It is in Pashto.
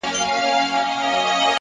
د لرې اورګاډي غږ د سفر خیال راولي,